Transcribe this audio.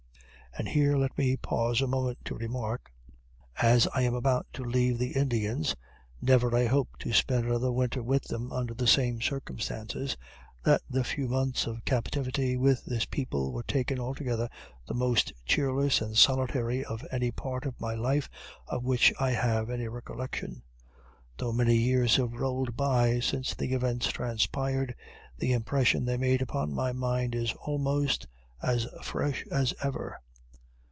And here let me pause a moment to remark as I am about to leave the Indians, never I hope to spend another winter with them under the same circumstances that the few months of captivity with this people, were, taken altogether, the most cheerless and solitary of any part of my life of which I have any recollection. Though many years have rolled by since the events transpired, the impression they made upon my mind is almost as fresh as ever.